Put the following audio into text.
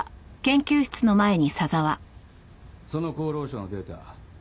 その厚労省のデータ